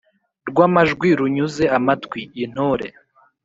rwa majwi runyuze amatwi. intore